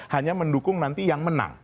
hanya mendukung nanti yang menang